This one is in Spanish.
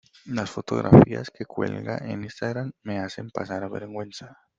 Las fotografías que cuelga en Instagram me hacen pasar vergüenza.